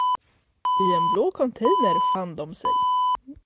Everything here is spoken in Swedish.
I en blå container fann dom sig.